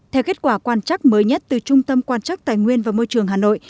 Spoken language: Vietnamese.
theo kết quả quan trắc mới nhất từ trung tâm quan trắc tài nguyên và môi trường hà nội